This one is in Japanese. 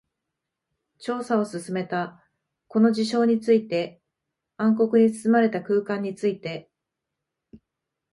調査を進めた。この事象について、暗黒に包まれた空間について。